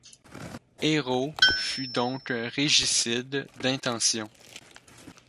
Hérault fut donc régicide d'intention.